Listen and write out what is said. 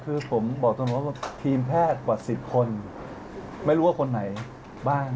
คือผมบอกตรงว่าทีมแพทย์กว่า๑๐คนไม่รู้ว่าคนไหนบ้าง